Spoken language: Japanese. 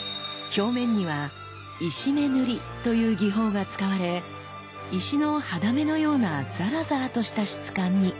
表面には石目塗という技法が使われ石の肌目のようなザラザラとした質感に。